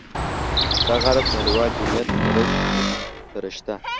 دغه حالت نړيوال جميعت رشد سره شته.